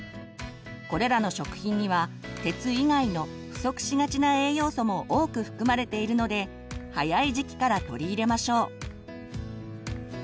これらの食品には鉄以外の不足しがちな栄養素も多く含まれているので早い時期から取り入れましょう。